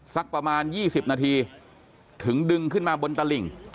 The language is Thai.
สักประมาณ๒๐นาทีถึงดึงขึ้นมาบนตลิ่ง